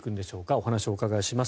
お話をお伺いします。